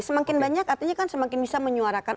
semakin banyak artinya kan semakin bisa menyuarakan